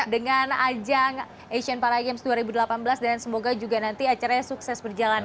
dengan ajang asian para games dua ribu delapan belas dan semoga juga nanti acaranya sukses berjalan